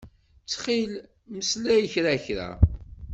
Ttxil mmeslay kra kra.